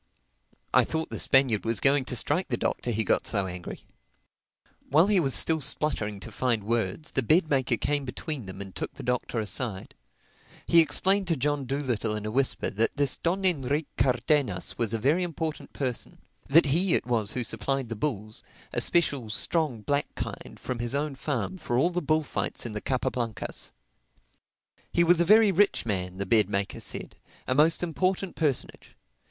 I thought the Spaniard was going to strike the Doctor he got so angry. While he was still spluttering to find words, the bed maker came between them and took the Doctor aside. He explained to John Dolittle in a whisper that this Don Enrique Cardenas was a very important person; that he it was who supplied the bulls—a special, strong black kind—from his own farm for all the bullfights in the Capa Blancas. He was a very rich man, the bed maker said, a most important personage.